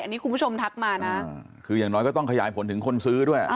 อันนี้คุณผู้ชมทักมานะคืออย่างน้อยก็ต้องขยายผลถึงคนซื้อด้วย